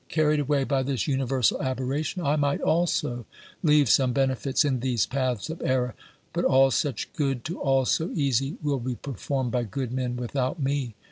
Carried away by this universal aberration, I might also leave some benefits in these paths of error ; but all such good, to ail so easy, will be performed by good men without me.